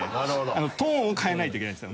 トーンを変えないといけないんですよ。